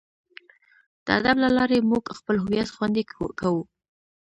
د ادب له لارې موږ خپل هویت خوندي کوو.